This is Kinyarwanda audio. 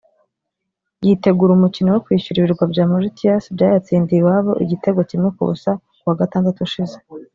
yitegura umukino wo kwishyura Ibirwa bya Mauritius byayatsindiye iwabo igitego kimwe ku busa kuwa Gatandatu ushize